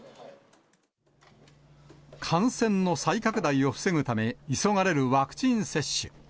感染の再拡大を防ぐため、急がれるワクチン接種。